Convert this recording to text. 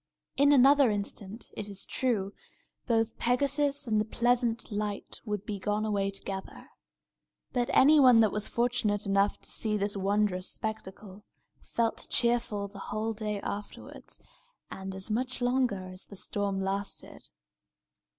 In another instant, it is true, both Pegasus and the pleasant light would be gone away together. But anyone that was fortunate enough to see this wondrous spectacle felt cheerful the whole day afterward, and as much longer as the storm lasted.